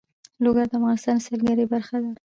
لوگر د افغانستان د سیلګرۍ برخه ده.